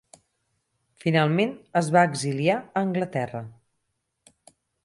Finalment es va exiliar a Anglaterra.